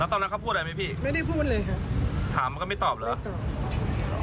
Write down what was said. และตอนนั้นเขาพูดอะไรมั้ยพี่ไม่ได้พูดเลยค่ะถามก็ไม่ตอบเหรอ